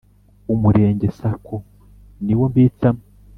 umurenge sako niwo mbitsamo